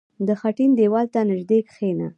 • د خټین دیوال ته نژدې کښېنه.